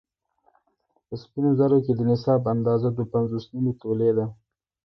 په سپينو زرو کې د نصاب اندازه دوه پنځوس نيمې تولې ده